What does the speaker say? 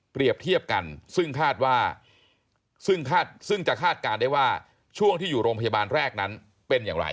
เปรียบเทียบกันซึ่งจะคาดการณ์ได้ว่าช่วงที่อยู่โรงพยาบาลแรกนั้นเป็นอย่างไร